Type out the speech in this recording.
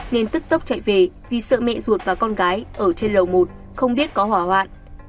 nên tức tốc chạy về vì sợ mẹ ruột và con gái ở trên lầu một không biết có hỏa hoạn